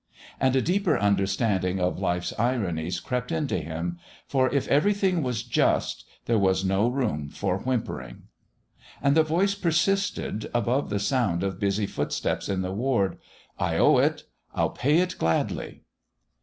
And a deeper understanding of life's ironies crept into him; for if everything was just, there was no room for whimpering. And the voice persisted above the sound of busy footsteps in the ward: "I owe it ... I'll pay it gladly...!"